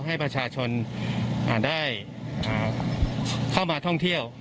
ให้ประชาชนได้เข้ามาท่องเที่ยว